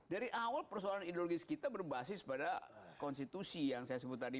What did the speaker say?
dari awal persoalan ideologis kita berbasis pada konstitusi yang saya sebut tadi